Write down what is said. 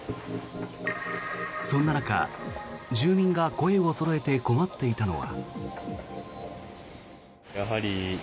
そんな中、住民が声をそろえて困っていたのは。